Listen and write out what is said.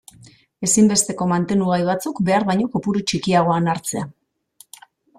Ezinbesteko mantenugai batzuk behar baino kopuru txikiagoan hartzea.